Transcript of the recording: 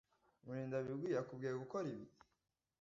Murindabigwi yakubwiye gukora ibi?